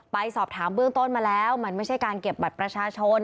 ไปสอบถามเบื้องต้นมาแล้วมันไม่ใช่การเก็บบัตรประชาชน